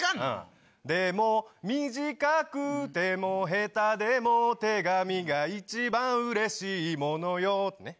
でも短くても、下手でも手紙が一番うれしいものよってね。